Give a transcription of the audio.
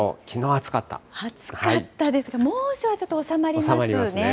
暑かったですけれども、猛暑はちょっと収まりますね。